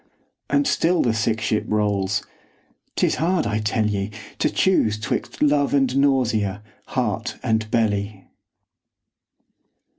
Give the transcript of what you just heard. And still the sick ship rolls. 'Tis hard, I tell ye, To choose 'twixt love and nausea, heart and belly.